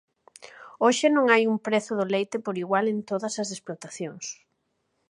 Hoxe non hai un prezo do leite por igual en todas as explotacións.